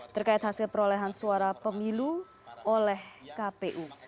terkait hasil perolehan suara pemilu oleh kpu